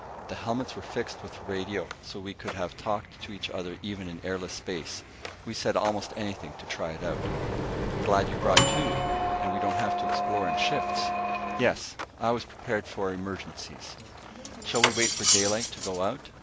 The helmets were fixed with radio, so we could have talked to each other even in airless space. We said almost anything to try it out. "Glad you brought two, and we don't have to explore in shifts." "Yes, I was prepared for emergencies." "Shall we wait for daylight to go out?"